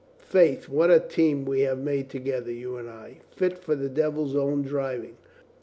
"Faith, what a team we had made together, you and L Fit for the devil's own driving!"